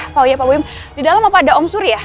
pak boim di dalam apa ada om suri ya